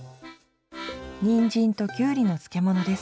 にんじんときゅうりの漬物です。